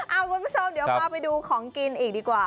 คุณผู้ชมเดี๋ยวพาไปดูของกินอีกดีกว่า